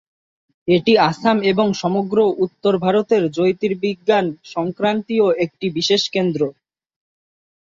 এটি আসাম এবং সমগ্র উত্তর ভারতের জ্যোতির্বিজ্ঞান সংক্রান্তীয় এক বিশেষ কেন্দ্র।